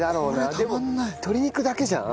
でも鶏肉だけじゃん？